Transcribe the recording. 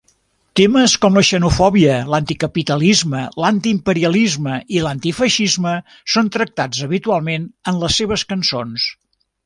Temes com la xenofòbia, l'anticapitalisme, l'antiimperialisme i l'antifeixisme són tractats habitualment en les seves cançons.